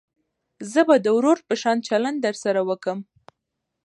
زه به د ورور په شان چلند درسره وکم.